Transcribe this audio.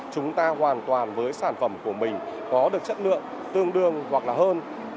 chúng ta hoàn toàn với sản phẩm của mình có được chất lượng tương đương hoặc là hơn